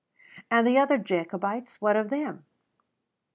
And the other Jacobites, what of them?